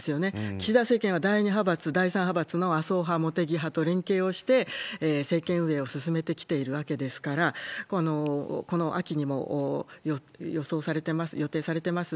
岸田政権は第２派閥、第３派閥の麻生派、茂木派と連携をして、政権運営を進めてきてるわけですから、この秋にも予定されてます